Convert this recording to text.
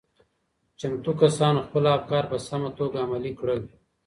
چمتو کسانو خپل افکار په سمه توګه عملي کړل.